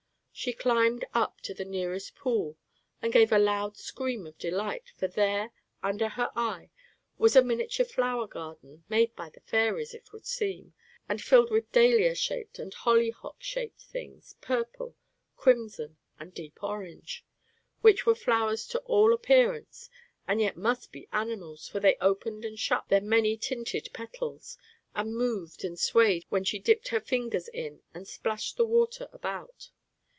She climbed up to the nearest pool, and gave a loud scream of delight, for there, under her eye, was a miniature flower garden, made by the fairies, it would seem, and filled with dahlia shaped and hollyhock shaped things, purple, crimson, and deep orange; which were flowers to all appearance, and yet must be animals; for they opened and shut their many tinted petals, and moved and swayed when she dipped her fingers in and splashed the water about.